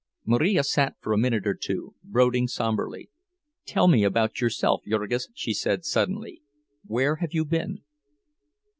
Marija sat for a minute or two, brooding somberly. "Tell me about yourself, Jurgis," she said, suddenly. "Where have you been?"